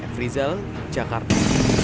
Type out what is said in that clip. f rizal jakarta